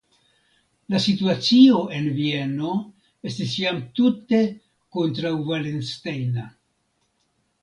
La situacio en Vieno estis jam tute kontraŭvalenstejna.